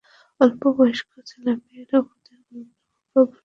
অল্পবয়স্ক ছেলেমেয়েরা ভূতের গল্প খুব আগ্রহ করে শোনে।